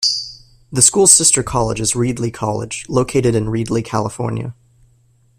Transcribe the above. The school's sister college is Reedley College, located in Reedley, California.